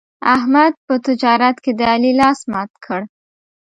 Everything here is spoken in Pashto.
احمد په تجارت کې د علي لاس مات کړ.